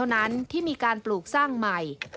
ในการปลูกสร้างไหม